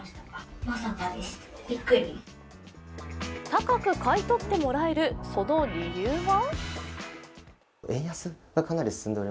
高く買い取ってもらえる、その理由は？